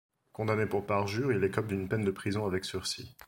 Condamné pour parjure, il écope d'une peine de prison avec sursis.